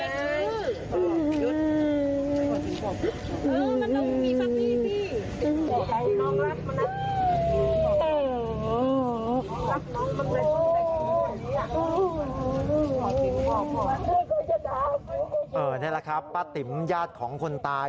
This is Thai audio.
นี่แหละครับป้าติ๋มญาติของคนตาย